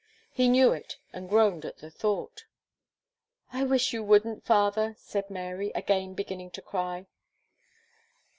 He knew it, and groaned at the thought. "I wish you wouldn't father," said Mary, again beginning to cry.